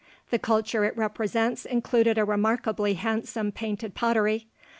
The culture it represents included a remarkably handsome painted pottery.